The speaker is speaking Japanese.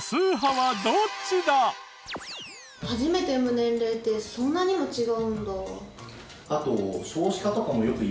初めて産む年齢ってそんなにも違うんだ。